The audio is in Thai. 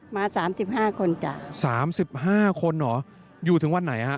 มา๓๕คนจ้ะ๓๕คนเหรออยู่ถึงวันไหน